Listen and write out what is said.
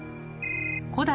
古代